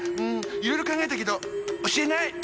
んいろいろ考えたけど教えない。